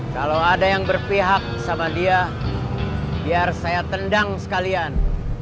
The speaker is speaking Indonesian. kalau ada yang berpihak sama dia biar saya tendang sekalian